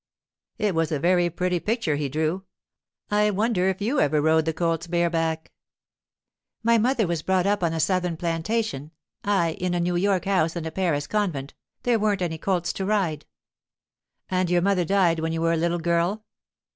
'It was a very pretty picture he drew—I wonder if you ever rode the colts bareback?' 'My mother was brought up on a Southern plantation; I, in a New York house and a Paris convent—there weren't any colts to ride.' 'And your mother died when you were a little girl?